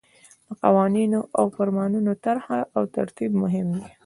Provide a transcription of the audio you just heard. د قوانینو او فرمانونو طرح او ترتیب مهم دي.